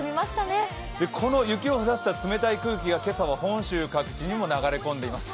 この雪を降らせた冷たい空気が今朝も本州各地に流れ込んでいます。